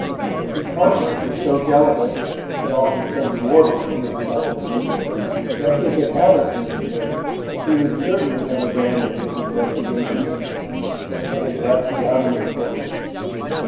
His conscience was so delicate, and often so morbid in its delicacy, that if that had occurred to him, he would certainly have abandoned his investigations, and have been left without an employment.